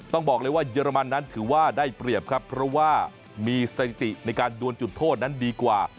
ต้องบอกเลยว่าเยอรมันนั้นถือว่าได้เปรียบครับเพราะว่ามีสถิติในการดวนจุดโทษนั้นดีกว่า